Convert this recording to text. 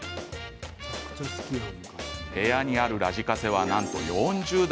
部屋にあるラジカセはなんと４０台。